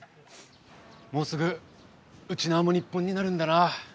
もうすぐウチナーも日本になるんだなあ。